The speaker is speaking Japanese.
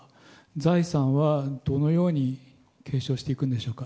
財産は、どのように継承していくんでしょうか。